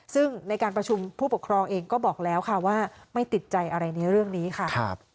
ซึ่งในการประชุมผู้ปกครองเองก็บอกแล้วค่ะว่าไม่ติดใจอะไรในเรื่องนี้ค่ะ